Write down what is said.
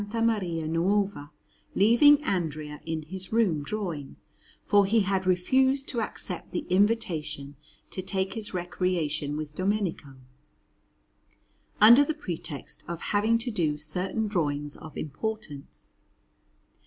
Maria Nuova, leaving Andrea in his room drawing, for he had refused to accept the invitation to take his recreation with Domenico, under the pretext of having to do certain drawings of importance.